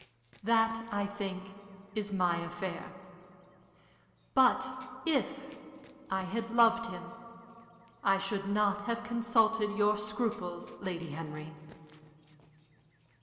"That, I think, is my affair. But if I had loved him I should not have consulted your scruples, Lady Henry."